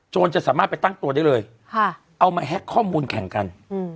จะสามารถไปตั้งตัวได้เลยเอามาแฮ็กข้อมูลแข่งกัน